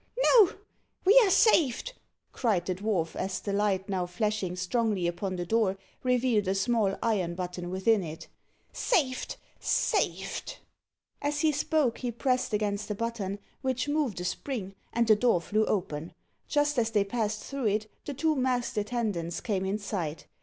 "No we are saved," cried the dwarf, as the light, now flashing strongly upon the door, revealed a small iron button within it, "saved saved!" As he spoke, he pressed against the button, which moved a spring, and the door flew open. Just as they passed through it, the two masked attendants came in sight.